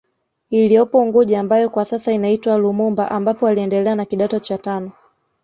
Iliyopo unguja ambayo kwa sasa inaitwa Lumumba ambapo aliendelea na kidato cha tano